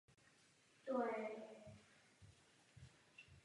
Dále následoval klasický play off systém.